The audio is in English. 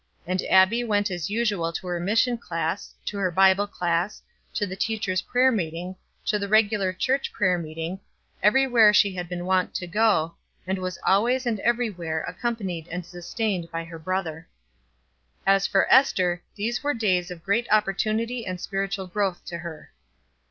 And Abbie went as usual to her mission class, to her Bible class, to the teacher's prayer meeting, to the regular church prayer meeting, every where she had been wont to go, and she was always and every where accompanied and sustained by her brother. As for Ester, these were days of great opportunity and spiritual growth to her.